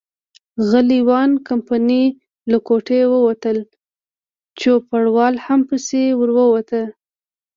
اغلې وان کمپن له کوټې ووتل، چوپړوال هم پسې ور ووت.